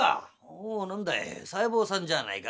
「おお何だい細胞さんじゃあないか。